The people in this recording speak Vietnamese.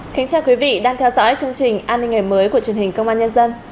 kính chào quý vị đang theo dõi chương trình an ninh ngày mới của truyền hình công an nhân dân